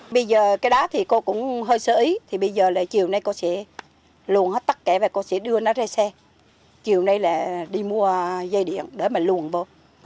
bây giờ cái đó thì cô cũng hơi sợ ý thì bây giờ là chiều nay cô sẽ luồn hết tất cả và cô sẽ đưa nó ra xe chiều nay là đi mua dây điện để mà luồn vô